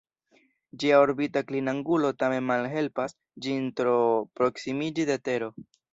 Ĝia orbita klinangulo tamen malhelpas ĝin tro proksimiĝi de Tero.